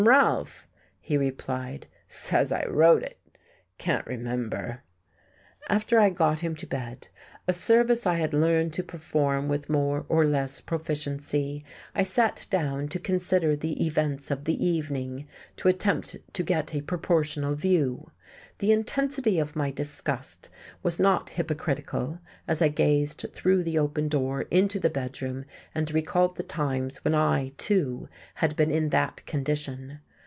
"Fr'm Ralph," he replied, "says I wrote it. Can't remember...." After I had got him to bed, a service I had learned to perform with more or less proficiency, I sat down to consider the events of the evening, to attempt to get a proportional view. The intensity of my disgust was not hypocritical as I gazed through the open door into the bedroom and recalled the times when I, too, had been in that condition.